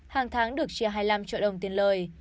hàng tháng được chia hai mươi năm triệu đồng tiền lời